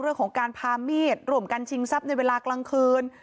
เรื่องของการพามีดร่วมกันชิงทรัพย์ในเวลากลางคืน